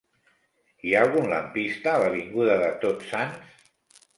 Hi ha algun lampista a l'avinguda de Tots Sants?